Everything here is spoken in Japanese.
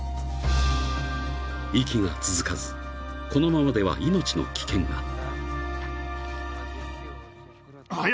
［息が続かずこのままでは命の危険が］